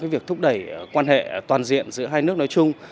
việc thúc đẩy quan hệ toàn diện giữa hai nước nói chung